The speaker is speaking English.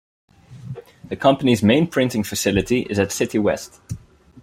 The company's main printing facility is at Citywest.